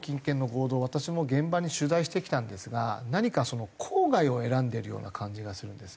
私も現場に取材してきたんですが何か郊外を選んでるような感じがするんですね。